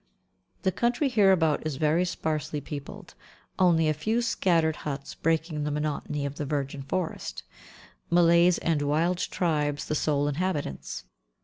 The country hereabout is very sparsely peopled, only a few scattered huts breaking the monotony of the virgin forest, Malays and wild tribes the sole inhabitants.